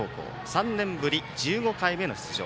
３年ぶり１５回目の出場。